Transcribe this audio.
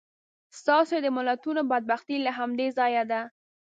ستاسې د ملتونو بدبختي له همدې ځایه ده.